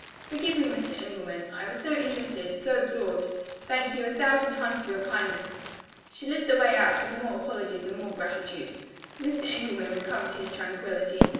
"Forgive me, Mr. Engelman I was so interested, so absorbed thank you a thousand times for your kindness!" She led the way out, with more apologies and more gratitude. Mr. Engelman recovered his tranquillity.